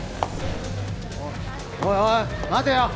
おいおい待てよ！